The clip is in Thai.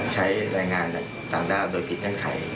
ใช้แรงงานต่างด้าวโดยผิดเงื่อนไข